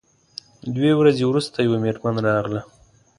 دوې ورځې وروسته یوه میرمن راغله.